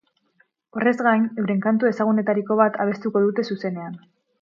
Horrez gain, euren kantu ezagunetariko bat abestuko dute zuzenean.